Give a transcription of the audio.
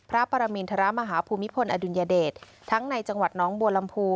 พระปรมินทรมาฮภูมิพลอดุลยเดชทั้งในจังหวัดน้องบัวลำพู